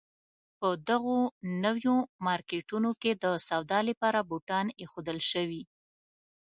په دغو نویو مارکېټونو کې د سودا لپاره بوتان اېښودل شوي.